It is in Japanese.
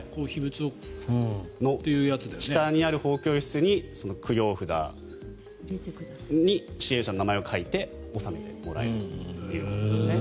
その下にある奉経室に供養札に支援者の名前を書いて納めてもらえるということです。